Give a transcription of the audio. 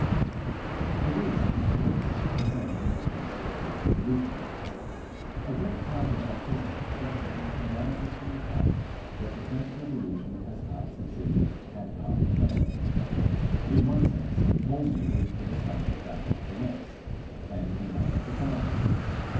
It is, of course, the same in the case of the French Revolution. A great part of our present perplexity arises from the fact that the French Revolution has half succeeded and half failed. In one sense, Valmy was the decisive battle of the West, and in another Trafalgar.